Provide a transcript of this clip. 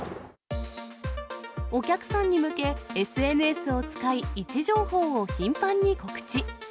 お客さんに向け、ＳＮＳを使い、位置情報を頻繁に告知。